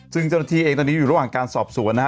ซึ่งเจ้าหน้าที่เองตอนนี้อยู่ระหว่างการสอบสวนนะฮะ